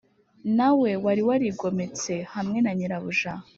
na we wari warigometse hamwe na nyirabuja.